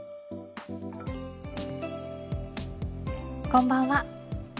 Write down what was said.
こんばんは。